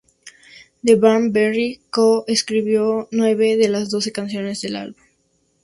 The Band Perry co-escribió nueve de las doce canciones del álbum.